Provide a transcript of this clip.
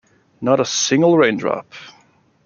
Not a single raindrop!